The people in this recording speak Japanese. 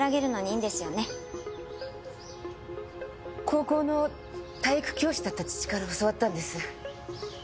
高校の体育教師だった父から教わったんです。